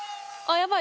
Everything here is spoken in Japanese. やばい！